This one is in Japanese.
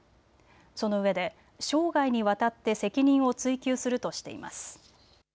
そのうえで生涯にわたって責任を追及するとしています。